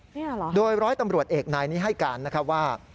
เนี่ยเหรอโดยร้อยตำรวจเอกนายนี้ให้การนะครับว่า